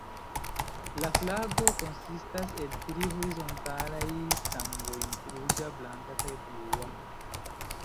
La flago konsistas el tri horizontalaj stangoj: ruĝa, blanka kaj blua.